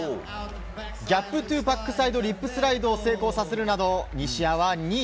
ギャップトゥーバックサイドリップスライドを成功させるなど西矢は２位。